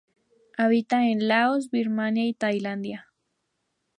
Habita en Laos, Birmania y Tailandia.